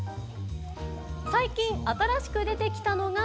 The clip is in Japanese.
最近、新しく出てきたのが。